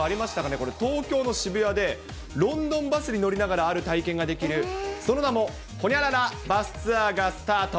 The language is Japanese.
これ、東京の渋谷で、ロンドンバスに乗りながらある体験ができる、その名も、ほにゃららバスツアーがスタート。